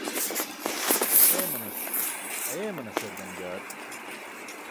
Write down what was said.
Eemanas ayeemanasar damjaar.